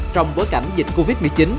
trong bối cảnh dịch covid một mươi chín